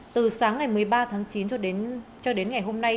từ sáng ngày một mươi ba tháng chín cho đến ngày hôm nay